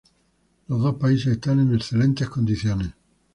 Los dos países están en excelentes condiciones.